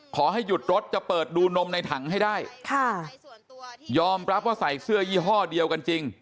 ขอให้หยุดรถจะเปิดดูนมในถังให้ได้ค่ะยอมรับว่าใส่เสื้อยี่ห้อเดียวกันจริง